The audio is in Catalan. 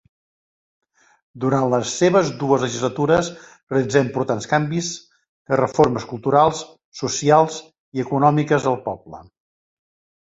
Durant les seves dues legislatures realitzar importants canvis, reformes culturals, socials i econòmiques al poble.